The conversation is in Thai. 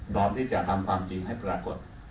ที่จะทำความจริงให้ปรากฏ